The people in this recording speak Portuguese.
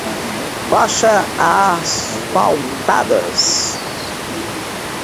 Faixas asfaltadas